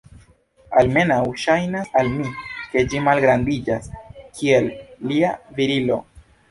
Almenaŭ, ŝajnas al mi ke ĝi malgrandiĝas, kiel lia virilo.